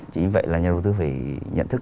chính vậy là nhà đầu tư phải nhận thức